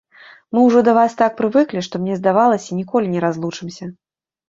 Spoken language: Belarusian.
Мы ўжо да вас так прывыклі, што мне здавалася, ніколі не разлучымся.